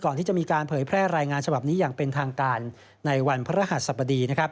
ก่อนที่จะมีการเผยแพร่รายงานฉบับนี้อย่างเป็นทางการในวันพระรหัสสบดีนะครับ